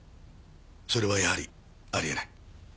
それはやはりありえない。